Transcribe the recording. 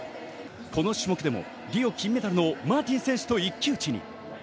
この種目でもリオ金メダルのマーティン選手と一騎打ちに。